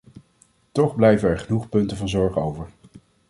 Toch blijven er genoeg punten van zorg over.